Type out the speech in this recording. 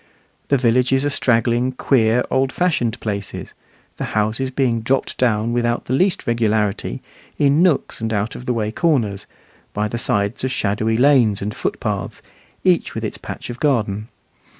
The villages are straggling, queer, old fashioned places, the houses being dropped down without the least regularity, in nooks and out of the way corners, by the sides of shadowy lanes and footpaths, each with its patch of garden.